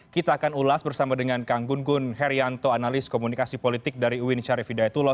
kita akan ulas bersama dengan kang gun gun herianto analis komunikasi politik dari uin syarif hidayatullah